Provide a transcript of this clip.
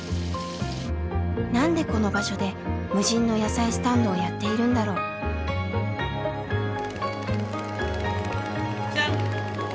何でこの場所で無人の野菜スタンドをやっているんだろう？じゃん！